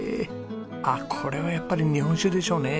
これはやっぱり日本酒でしょうね。